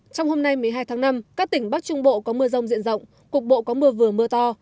trong hôm nay một mươi hai tháng năm các tỉnh bắc trung bộ có mưa rông diện rộng cục bộ có mưa vừa mưa to